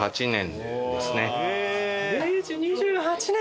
明治２８年！